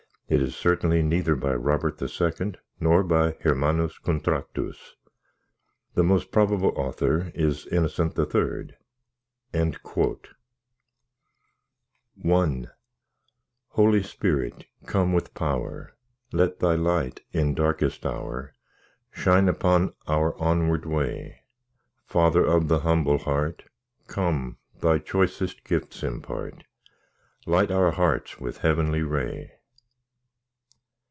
It is certainly neither by Robert II. nor by Hermannus Contractus. The most probable author is Innocent III." I Holy Spirit, come with power; Let Thy light, in darkest hour, Shine upon our onward way. Father of the humble heart, Come, Thy choicest gifts impart— Light our hearts with heavenly ray.